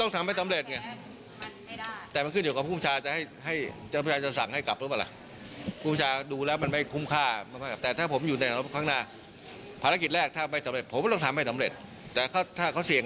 พระนายกคิดยังไงคะตอนนี้นากฝ่านเมืองให้เลือกจุดยืน